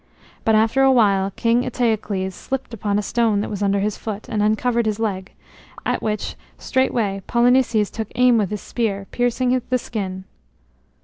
But after a while King Eteocles slipped upon a stone that was under his foot, and uncovered his leg, at which straightway Polynices took aim with his spear, piercing the skin.